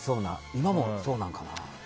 今もそうなんかな。